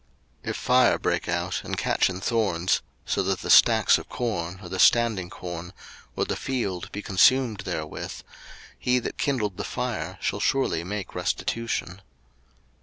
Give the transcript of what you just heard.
02:022:006 If fire break out, and catch in thorns, so that the stacks of corn, or the standing corn, or the field, be consumed therewith; he that kindled the fire shall surely make restitution.